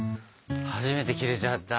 初めて切れちゃった。